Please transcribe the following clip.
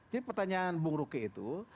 jadi pertanyaan bung roke itu